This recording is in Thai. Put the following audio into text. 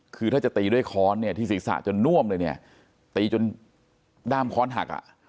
คือถ้าจะตีด้วยค้อนที่ศีรษะจนน่วมเลยตีจนด้ามค้อนหัก